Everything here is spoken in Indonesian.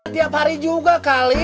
tiap hari juga kali